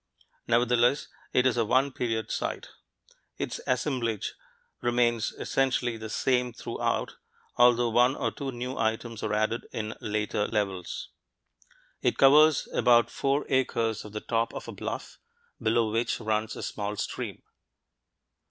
Nevertheless it is a "one period" site: its assemblage remains essentially the same throughout, although one or two new items are added in later levels. It covers about four acres of the top of a bluff, below which runs a small stream.